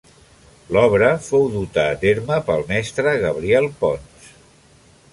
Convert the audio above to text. L'obra fou duta a terme pel mestre Gabriel Pons.